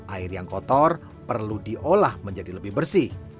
air yang kotor perlu diolah menjadi lebih bersih